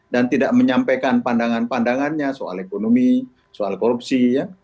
dan tidak menyampaikan pandangan pandangannya soal ekonomi soal korupsi